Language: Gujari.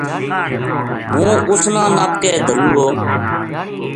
ہوں اس نا نپ کے دھروں گو